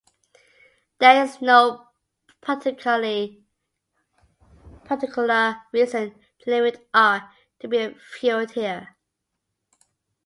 There is no particular reason to limit "R" to be a field here.